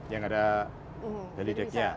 yang ada helideknya